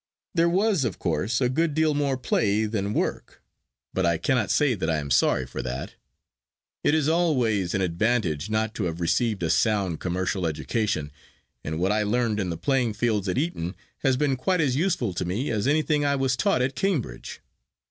There was, of course, a good deal more play than work, but I cannot say that I am sorry for that. It is always an advantage not to have received a sound commercial education, and what I learned in the playing fields at Eton has been quite as useful to me as anything I was taught at Cambridge.